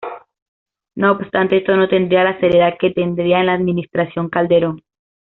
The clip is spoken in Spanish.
No obstante, esto no tendría la seriedad que tendría en la administración Calderón.